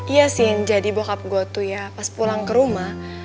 iya sien jadi bokap gue tuh ya pas pulang ke rumah